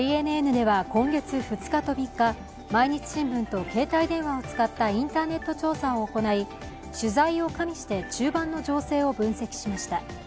ＪＮＮでは今月２日と３日「毎日新聞」と携帯電話を使ったインターネット調査を行い取材を加味して中盤の情勢を分析しました。